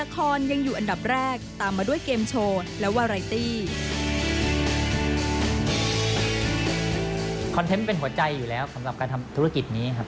คอนเทนต์เป็นหัวใจอยู่แล้วสำหรับการทำธุรกิจนี้ครับ